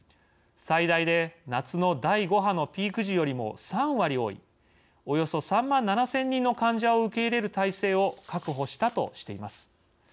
最大で夏の第５波のピーク時よりも３割多いおよそ３万７０００人の患者を受け入れる体制を確保したとしています。